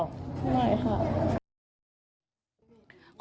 ไม่ได้ค่ะ